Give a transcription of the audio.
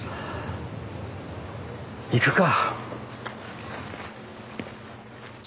行くか。